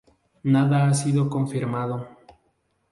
Nada ha sido confirmado.